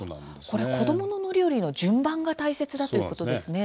これ子供の乗り降りの順番が大切だということですね。